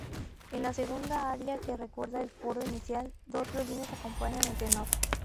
En la segunda aria, que recuerda el coro inicial, dos violines acompañan al tenor.